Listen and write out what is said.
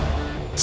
tidak ada masalah